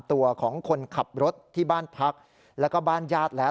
ตัวของคนขับรถที่บ้านพักแล้วก็บ้านญาติแล้ว